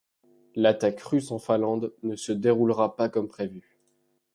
L’attaque russe en Finlande ne se déroulera pas comme prévu.